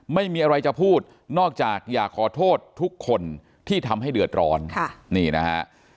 ไม่มีอะไรจะพูดนอกจากอยากขอโทษทุกคนที่ทำให้เดือดร้อนนี่นะฮะ